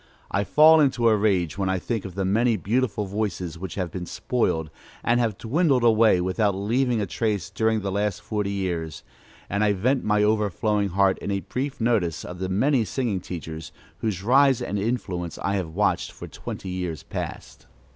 I fall into a rage when I think of the many beautiful voices which have been spoiled, and have dwindled away without leaving a trace during the last forty years; and I vent my overflowing heart in a brief notice of the many singing teachers, whose rise and influence I have watched for twenty years past.